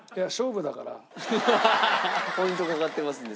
ポイントかかってますんで。